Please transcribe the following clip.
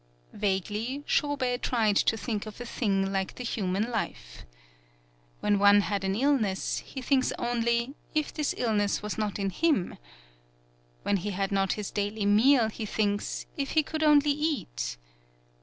Vaguely, Shobei tried to think of a thing like the human life. When one had an illness he thinks only, if this ill ness was not in him ! When he had not his daily meal he thinks, if he could only eat